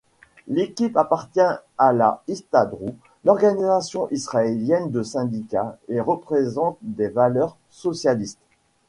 L'équipe appartient à la Histadrout, l'organisation israélienne de syndicats, et représente des valeurs socialistes.